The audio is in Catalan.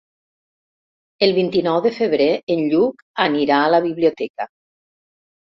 El vint-i-nou de febrer en Lluc anirà a la biblioteca.